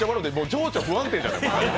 情緒不安定じゃないですか。